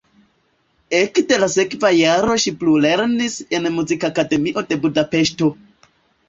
Ekde la sekva jaro ŝi plulernis en Muzikakademio de Budapeŝto.